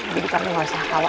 jadi kami gak usah khawatir